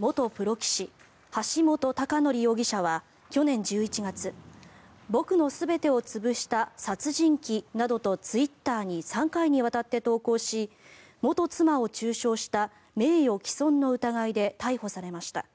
棋士橋本崇載容疑者は去年１１月僕の全てを潰した殺人鬼などとツイッターに３回にわたって投稿し元妻を中傷した名誉棄損の疑いで逮捕・起訴されました。